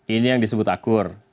ini yang disebut akur